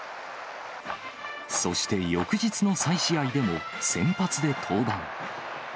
そして翌日の再試合でも先発で登板。